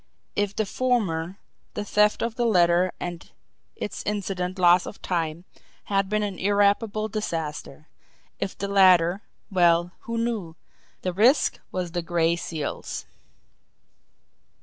If the former, the theft of the letter and its incident loss of time had been an irreparable disaster; if the latter well, who knew! The risk was the Gray Seal's!